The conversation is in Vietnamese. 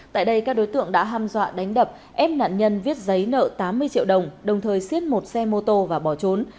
tại đây các đối tượng đã ham dọa đánh đập ép nạn nhân viết giấy nợ tám mươi triệu đồng đồng thời xiết một xe mô tô và bỏ trốn